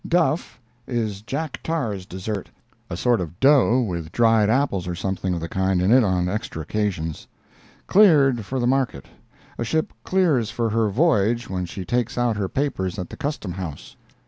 "Duff" is Jack Tar's dessert—a sort of dough, with dried apples or something of the kind in it on extra occasions. "Cleared" for the market—A ship "clears" for her voyage when she takes out her papers at the Custom house.